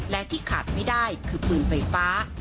และที่ขาดไม่ได้คือปืนไฟฟ้า